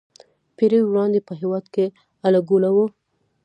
پېړۍ وړاندې په هېواد کې اله ګوله وه.